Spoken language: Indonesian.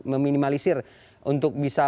meminimalisir untuk bisa